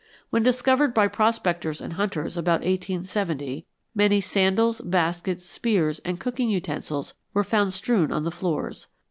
When discovered by prospectors and hunters about 1870, many sandals, baskets, spears, and cooking utensils were found strewn on the floors.